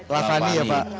lahani ya pak